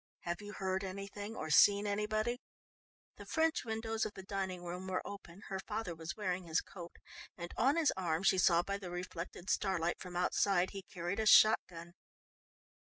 "Have you heard anything or seen anybody?" The French windows of the dining room were open, her father was wearing his coat and on his arm she saw by the reflected starlight from outside he carried a shot gun.